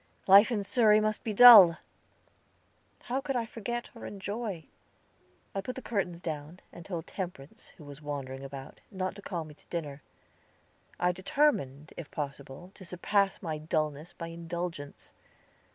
Life in Surrey must be dull. How could I forget or enjoy? I put the curtains down, and told Temperance, who was wandering about, not to call me to dinner. I determined, if possible, to surpass my dullness by indulgence.